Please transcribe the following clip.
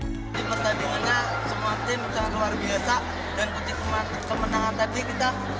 di pertandingannya semua tim sangat luar biasa dan putih kemenangan tadi kita